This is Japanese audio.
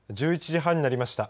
１１時半になりました。